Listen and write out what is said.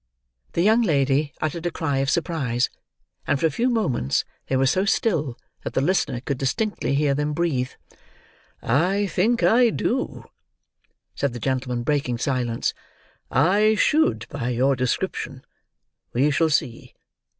The young lady uttered a cry of surprise, and for a few moments they were so still that the listener could distinctly hear them breathe. "I think I do," said the gentleman, breaking silence. "I should by your description. We shall see.